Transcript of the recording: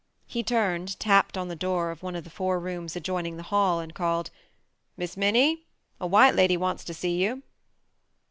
He turned, tapped on the door of one of the four rooms adjoining the hall, and called: "Miss Minnie, a white lady wants to see you."